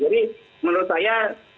jadi menurut saya